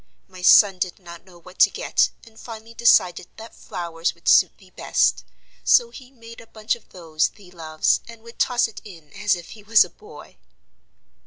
My son did not know what to get, and finally decided that flowers would suit thee best; so he made a bunch of those thee loves, and would toss it in as if he was a boy."